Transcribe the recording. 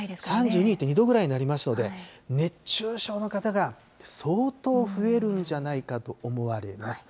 ３２．２度ぐらいになりますので、熱中症の方が相当増えるんじゃないかと思われます。